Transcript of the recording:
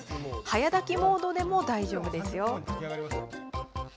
早炊きモードでも大丈夫です。